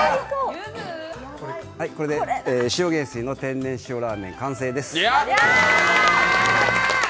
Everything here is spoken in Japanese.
これで塩元帥の天然塩ラーメン完成です。